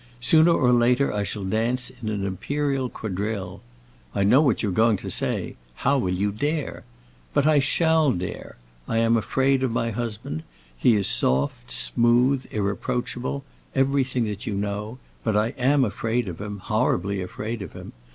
Sooner or later I shall dance in an imperial quadrille. I know what you are going to say: 'How will you dare?' But I shall dare. I am afraid of my husband; he is soft, smooth, irreproachable; everything that you know; but I am afraid of him—horribly afraid of him.